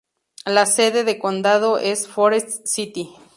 La sede de condado es Forrest City.